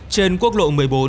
trên quốc lộ một mươi bốn